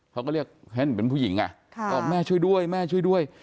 เขาก็เรียกให้เหมือนเป็นผู้หญิงบอกแม่ช่วยด้วยแม่ช่วยด้วย